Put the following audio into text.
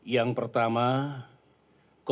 yang pertama komitmen kami